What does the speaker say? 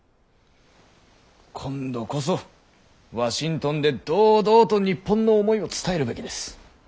今度こそワシントンで堂々と日本の思いを伝えるべきです。